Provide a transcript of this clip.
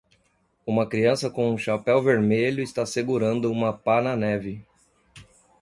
Uma criança com um chapéu vermelho está segurando uma pá na neve.